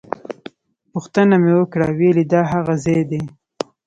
پوښتنه مې وکړه ویل یې دا هغه ځای دی.